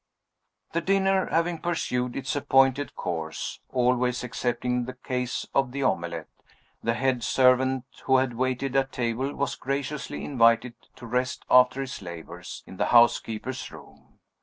The dinner having pursued its appointed course (always excepting the case of the omelet), the head servant who had waited at table was graciously invited to rest, after his labors, in the housekeeper's room.